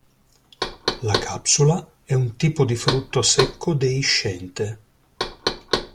La capsula è un tipo di frutto secco deiscente.